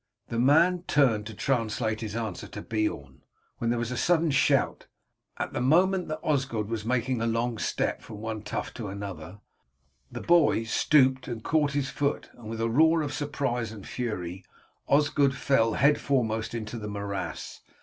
The man turned to translate his answer to Beorn, when there was a sudden shout. At the moment that Osgod was making a long step from one tuft to another the boy stooped and caught his foot, and with a roar of surprise and fury Osgod fell head foremost into the morass.